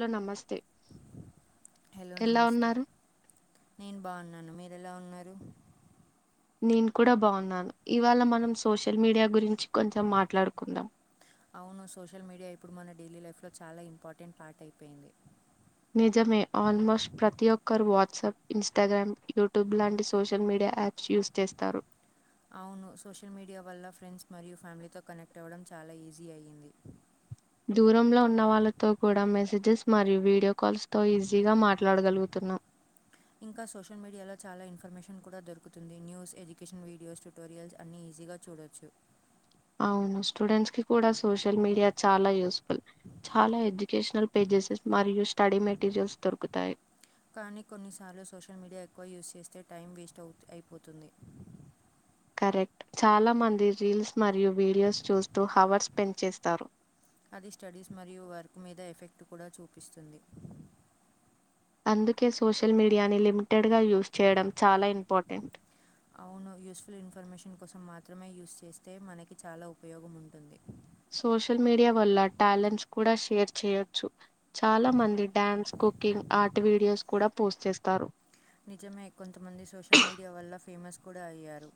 లో నమస్తే హలో ఎలా నమస్తే ఉన్నారు నేన్ బాన్ నను మీరు ఎలా ఉన్నారు. నేను కూడా బావున్నాను, ఇవాళ మనం సోషల్ మీడియా గురిం అవును సోషల్ మీడియా ఇప్పుడు మన డైలీ లైఫ్లో చాలా ఇంపార్టెంట్ పార్ట్ అయిపెంది. నిజమే ఆల్మోస్ట్ ప్రతి ఒక్కరు వాట్సాప్, ఇన్స్టాగ్రామ్, యూటూబ్ లాంటి సోషల్ మీడియా యాప్స్ యూస్ చేస్తారు. అవును సోషల్ మీడియా వల్ల ఫ్రెండ్స్ మరియు ఫ్యామిలీతో కనెక్ట్ అవ్వడం చాలా ఈజీ అయ్యింది. దూరంలో ఉన్న వాళ్ళతో కూడా మెసేజెస్ మరియు వీడియో కాల్స్తో ఈజీగా మాట్లాడగలుగుతున్నాం. ఇంకా సోషల్ మీడియాలో చాలా ఇన్ఫర్మేషన్ కూడా దొరుకుతుంది, న్యూస్ ఎడ్యుకేషన్ వీడియోస్ ట్యుటోరియల్స్ అన్ని ఈజీగా చూడొచ్చు. అవును స్టూడెంట్స్ కి కూడా సోషల్ మీడియా చాలా యూస్ ల్ చాలా ఎజ్ వొకేషనల్ పేజెసెస్ మరియు స్టడీ మెటీరియల్స్ దొరుకుతాయి. కానీ కొన్నిసార్లు సోషల్ మీడియా ఎక్కువ యూస్ చేస్తే టైం వేస్ట్ అవుత్ అయిపోతుంది. కరెక్ట్ చాలా మంది రీల్స్ మరియు వీడియోస్ చూస్తూ హవర్స్ స్పెండ్ చేస్తారు. అది స్టడీస్ మరియు వర్క్ మీద ఎఫెక్ట్ కూడా చూపిస్తుంది. అందుకే సోషల్ మీడియాని లిమిటెడ్ గా యూజ్ చేయడం చాలా ఇంపార్టెంట్ అవును యూస్ఫుల్ ఇన్ఫర్మేషన్ కోసం మాత్రమే యూస్ చేస్తే మనకి చాలా ఉపయోగం ఉంటుంది సోషల్ మీడియా వల్ల టాలెంట్స్ కూడా షేర్ చేయొచ్చు చాలా మంది డ్యాన్స్ కుకింగ్ ఆర్టి వీడియోస్ కూడా పోస్ట్ చేస్తారు నిజమే కొంతమంది సోషల్ మీడియా వల్ల ఫేమస్ కూడా అయ్యారు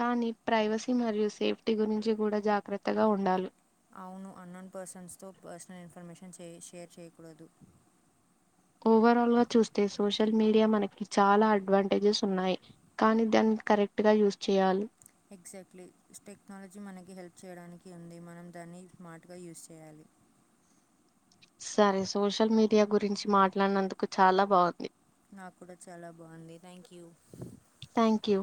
కానీ ప్రైవసీ మరియు సేఫ్టీ గురించి కూడా జాగ్రత్తగా ఉండాలి అవును అన్నోన్ పర్సన్స్ తో పర్సనల్ ఇన్ఫర్మేషన్ షేర్ చేయకూడదు ఓవరాల్గా చూస్తే సోషల్ మీడియా మనకి చాలా అడ్వాంటేజెస్ ఉన్నాయి కానీ దాన్ని కరెక్ట్గా యూస్ చేయాలి ఎగ్జాక్ట్లీ టెక్నాలజీ మనకి హెల్ప్ చేయడానికి ఉంది మనం దాన్ని స్మార్ట్గా యూస్ చేయాలి సరే సోషల్ మీడియా గురించి మాట్లాడినందుకు చాలా బాగుంది నాకు కూడా చాలా బాగుంది థ్యాంక్ యూ థ్యాంక్ యూ